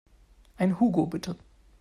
Einen Hugo bitte.